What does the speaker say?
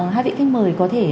hai vị khách mời có thể